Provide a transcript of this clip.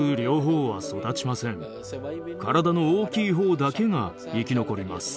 体の大きいほうだけが生き残ります。